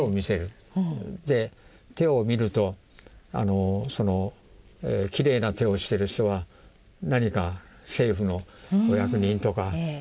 手を見るときれいな手をしてる人は何か政府のお役人とか兵隊さんだったり。